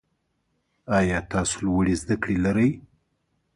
آیا تاسو لوړي زده کړي لرئ؟